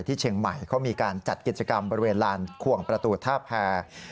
ที่เชียงใหม่เขามีการจัดกิจกรรมบริเวณลานควงประตูท่าแพร